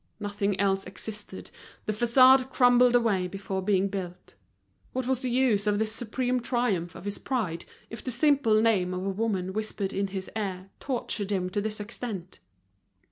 Nothing else existed, the façade crumbled away before being built; what was the use of this supreme triumph of his pride, if the simple name of a woman whispered in his ear tortured him to this extent.